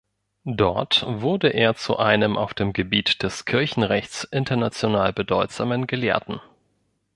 Dort wurde er zu einem auf dem Gebiet des Kirchenrechts international bedeutsamen Gelehrten.